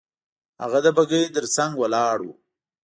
هغه د بګۍ تر څنګ ولاړ وو.